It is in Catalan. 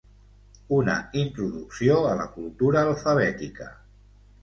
Una introducció a la cultura alfabètica.